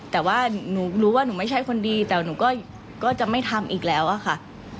แต่ว่าหนูรู้ว่าหนูไม่ใช่คนดีแต่หนูก็จะไม่ทำอีกแล้วอะค่ะ